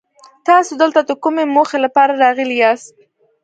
تاسو دلته د کومې موخې لپاره راغلي ياست؟